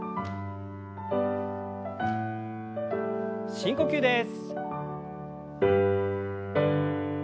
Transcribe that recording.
深呼吸です。